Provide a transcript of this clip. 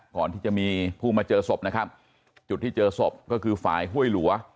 ก่อนที่จะมีผู้มาเจอศพนะครับจุดที่เจอศพก็คือฝ่ายห้วยหลัว